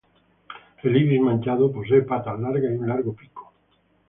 El ibis manchado, posee patas largas y un largo pico.